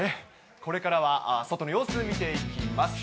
これからは外の様子見ていきます。